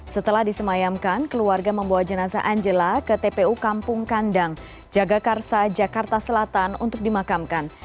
setelah disemayamkan keluarga membawa jenazah angela ke tpu kampung kandang jagakarsa jakarta selatan untuk dimakamkan